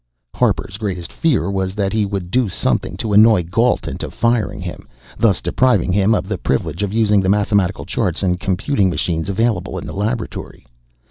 Harper's greatest fear was that he would do something to annoy Gault into firing him, thus depriving him of the privilege of using the mathematical charts and computing machines available in the laboratory.